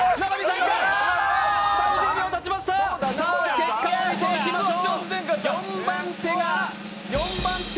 結果を見ていきましょう！